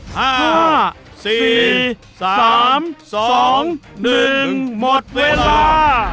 หมดเวลา